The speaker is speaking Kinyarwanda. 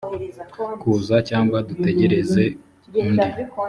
kuza cyangwa dutegereze undi